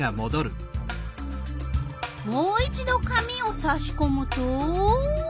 もう一ど紙をさしこむと？